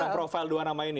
profil dua nama ini